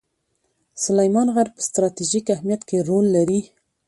سلیمان غر په ستراتیژیک اهمیت کې رول لري.